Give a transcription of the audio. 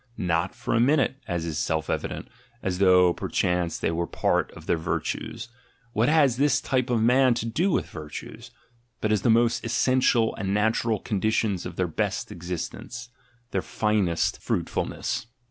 Not for a minute, as is self evident, as though, perchance, they were part of their virtues — what has this type of man to do with virtues — but as the most essential and natural conditions of their best existence, their finest fruitfulness.